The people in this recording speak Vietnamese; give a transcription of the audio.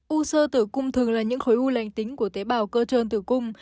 u sơ tử cung thường là những khối u lành tính của tế bào cơ trơn tử cung